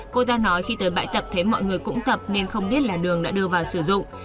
cô ta nói khi tới bãi tập thế mọi người cũng tập nên không biết là đường đã đưa vào sử dụng